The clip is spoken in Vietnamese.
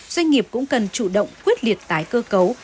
doanh nghiệp cũng cần chủ động quyết liệt tái cơ cấu